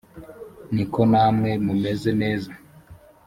ni ko namwe mumeze neza